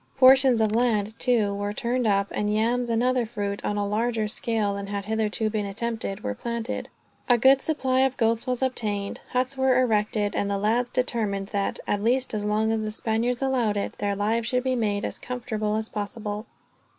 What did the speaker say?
Portions of land, too, were turned up; and yams and other fruits, on a larger scale than had hitherto been attempted, were planted. A good supply of goats was obtained, huts were erected, and the lads determined that, at least as long as the Spaniards allowed it, their lives should be made as comfortable as possible.